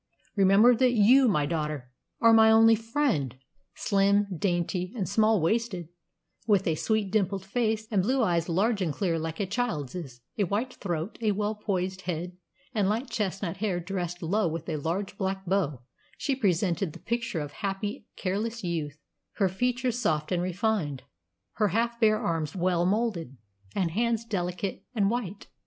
Remember that you, my daughter, are my only friend!" Slim, dainty, and small waisted, with a sweet, dimpled face, and blue eyes large and clear like a child's, a white throat, a well poised head, and light chestnut hair dressed low with a large black bow, she presented the picture of happy, careless youth, her features soft and refined, her half bare arms well moulded, and hands delicate and white.